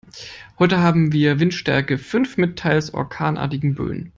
Heute haben wir Windstärke fünf mit teils orkanartigen Böen.